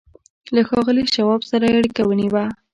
له ښاغلي شواب سره یې اړیکه ونیوه